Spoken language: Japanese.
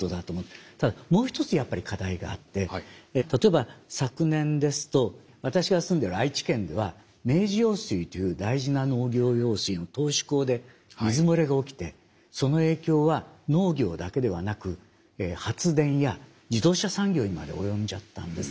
ただもう一つやっぱり課題があって例えば昨年ですと私が住んでる愛知県では明治用水という大事な農業用水の頭首工で水漏れが起きてその影響は農業だけではなく発電や自動車産業にまで及んじゃったんですね。